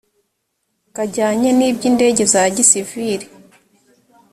kajyanye n iby indege za gisivili